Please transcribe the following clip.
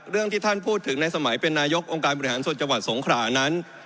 เรื่องที่ท่านพูดถึงในสมัยเป็นนายกองค์การบริหารส่วนจังหวัดสงขรานั้น